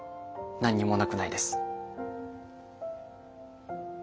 何にもなくないです。